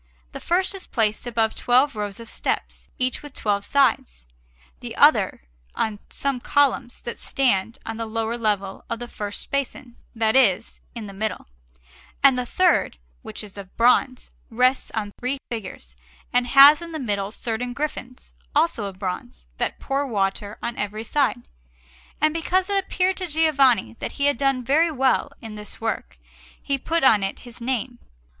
The first is placed above twelve rows of steps, each with twelve sides; the other on some columns that stand on the lowest level of the first basin that is, in the middle; and the third, which is of bronze, rests on three figures, and has in the middle certain griffins, also of bronze, that pour water on every side; and because it appeared to Giovanni that he had done very well in this work, he put on it his name.